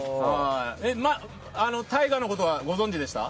ＴＡＩＧＡのことはご存じでした？